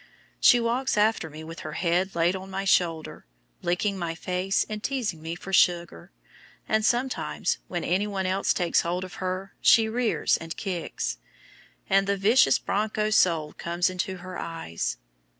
She walks after me with her head laid on my shoulder, licking my face and teasing me for sugar, and sometimes, when any one else takes hold of her, she rears and kicks, and the vicious bronco soul comes into her eyes.